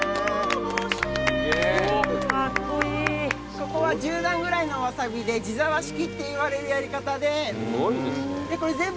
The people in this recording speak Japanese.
ここは１０段ぐらいのワサビで地沢式っていわれるやり方で。